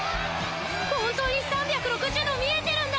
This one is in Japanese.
本当に３６０°見えてるんだ！